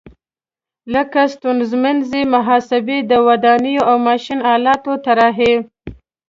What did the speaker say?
لکه ستونزمنې محاسبې، د ودانیو او ماشین آلاتو طراحي.